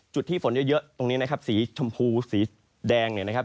จุดที่ฝนเยอะตรงนี้นะครับสีชมพูสีแดงเนี่ยนะครับ